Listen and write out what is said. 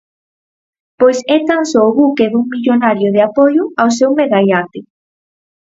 Pois é tan só o buque dun millonario de apoio ao seu megaiate.